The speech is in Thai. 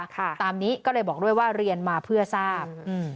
ตามนี้ก็เลยบอกด้วยว่าเรียนมาเพื่อทราบอืม